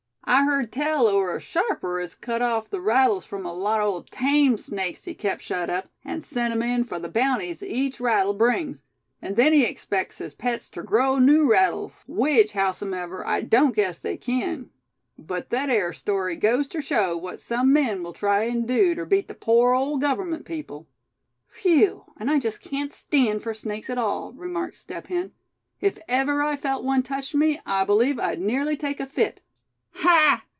"I heard tell o' a sharper as cut off the rattles from a lot o' tame snakes he kept shut up, and send 'em in for the bounties each rattle brings; and then he expects his pets ter grow new rattles, which howsumever, I don't guess they kin; but thet air story goes ter show what some men will try an' do ter beat the pore old government people." "Whew! and I just can't stand for snakes at all," remarked Step Hen. "If ever I felt one touch me, I believe I'd nearly take a fit." "Ha!